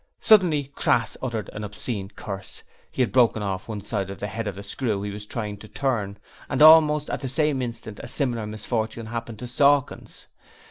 Suddenly Crass uttered an obscene curse; he had broken off one side of the head of the screw he was trying to turn and almost at the same instant a similar misfortune happened to Sawkins.